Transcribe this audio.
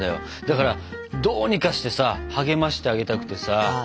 だからどうにかしてさ励ましてあげたくてさ。